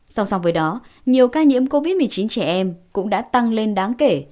song song với đó nhiều ca nhiễm covid một mươi chín trẻ em cũng đã tăng lên đáng kể